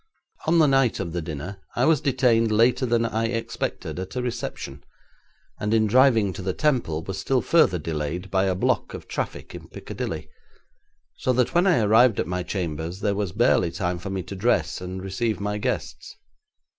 On the night of the dinner I was detained later than I expected at a reception, and in driving to the Temple was still further delayed by a block of traffic in Piccadilly, so that when I arrived at my chambers there was barely time for me to dress and receive my guests.